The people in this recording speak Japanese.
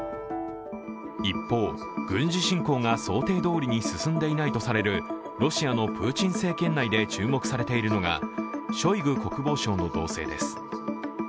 一方、軍事侵攻が想定どおりに進んでいないとされるロシアのプーチン政権内で注目されているのが、ショイグ国防相の動静です。